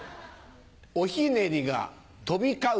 おひねりが飛び交う